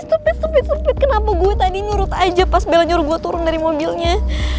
stupid stupid stupid kenapa gue tadi nyurut aja pas bella nyuruh gue turun dari mobilnya